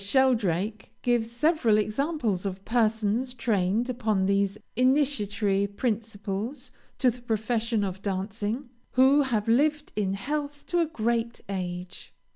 Sheldrake gives several examples of persons trained upon these initiatory principles to the profession of dancing, who have lived in health to a great age.